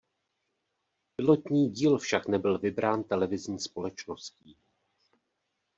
Pilotní díl však nebyl vybrán televizní společností.